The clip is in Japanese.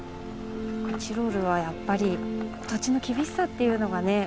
チロルはやっぱり土地の厳しさっていうのがね。